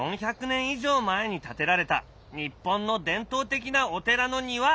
以上前に建てられた日本の伝統的なお寺の庭。